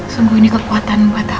sungguh ini kekuatan buat aku